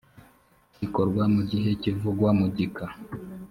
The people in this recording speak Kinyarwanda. rikorwa mu gihe kivugwa mu gika